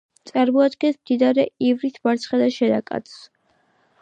წარმოადგენს მდინარე ივრის მარცხენა შენაკადს.